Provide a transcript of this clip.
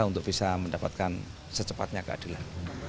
untuk bisa mendapatkan secepatnya keadilan